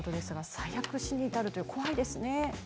最悪、死に至る怖い虫なんですね。